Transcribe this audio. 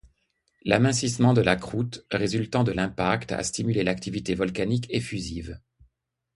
L'amincissement de la croûte résultant de l'impact a stimulé l'activité volcanique effusive.